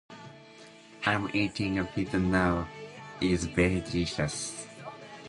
The community has the name of Joseph Higbee, a pioneer settler.